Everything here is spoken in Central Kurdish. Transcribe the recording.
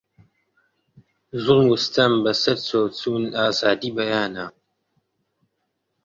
زوڵم و ستەم بە سەر چۆ چوون ئازادی بەیانە